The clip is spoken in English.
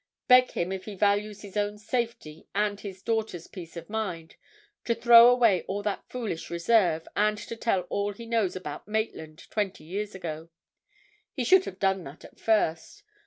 Beg him if he values his own safety and his daughters' peace of mind to throw away all that foolish reserve, and to tell all he knows about Maitland twenty years ago. He should have done that at first.